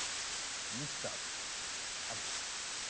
ミキサーがあります。